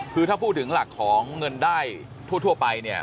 คือถ้าพูดถึงหลักของเงินได้ทั่วไปเนี่ย